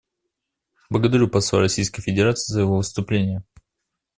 Благодарю посла Российской Федерации за его выступление.